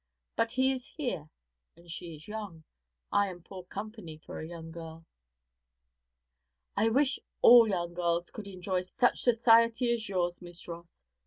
But he is here, and she is young. I am poor company for a young girl.' 'I wish all young girls could enjoy such society as yours, Miss Ross.